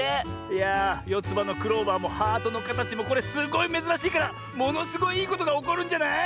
いやあよつばのクローバーもハートのかたちもこれすごいめずらしいからものすごいいいことがおこるんじゃない？